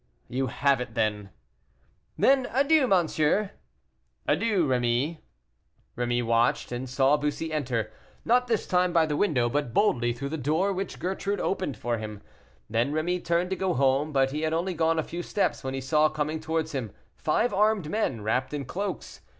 "You have it then." "Then, adieu, monsieur." "Adieu, Rémy." Rémy watched, and saw Bussy enter, not this time by the window, but boldly through the door, which Gertrude opened for him. Then Rémy turned to go home; but he had only gone a few steps, when he saw coming towards him five armed men, wrapped in cloaks.